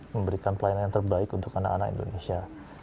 memberikan pelayanan yang terbaik untuk anak anak indonesia